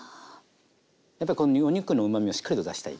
やっぱこのお肉のうまみをしっかりと出したい。